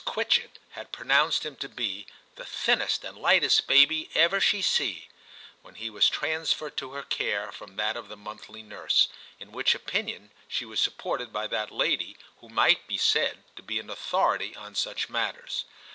Quitchett had pronounced him to be * the thinnest and lightest baby ever she see,' when he was transferred to her care from that of the monthly nurse, in which opinion she was sup ported by that lady, who might be said to be an authority on such matters.